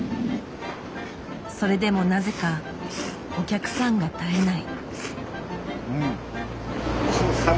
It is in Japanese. それでもなぜかお客さんが絶えない。